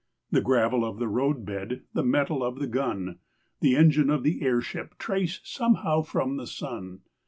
The gravel of the roadbed, The metal of the gun, The engine of the airship Trace somehow from the sun.